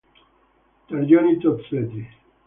Targioni Tozzetti